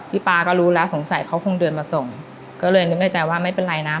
ป๊าก็รู้แล้วสงสัยเขาคงเดินมาส่งก็เลยนึกในใจว่าไม่เป็นไรนะ